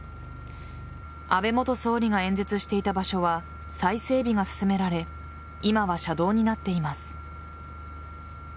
安倍元総理が演説していた場所は再整備が進められ今は車道になっています。